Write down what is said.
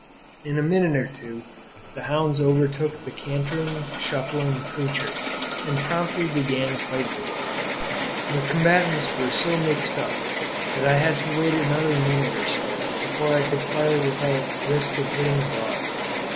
In a minute or two the hounds overtook the cantering, shuffling creature, and promptly began a fight with it; the combatants were so mixed up that I had to wait another minute or so before I could fire without risk of hitting a dog.